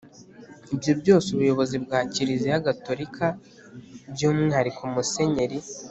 ibyo byose ubuyobozi bwa kiliziya gatolika by’umwihariko musenyeri